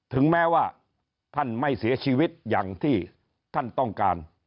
ถึงแม้ว่าท่านไม่เสียชีวิตอย่างที่ท่านต้องการ